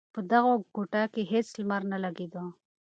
په دغه کوټه کې هېڅ لمر نه لگېده.